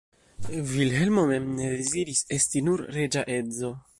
Vilhelmo mem ne deziris esti nur reĝa edzo.